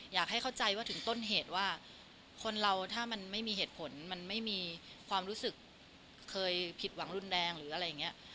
อยากให้เข้าใจว่าถึงต้นเหตุว่าคนเราถ้ามันไม่มีเหตุผลมันไม่มีความรู้สึกเคยผิดหวังรุนแรงหรืออะไรอย่างนี้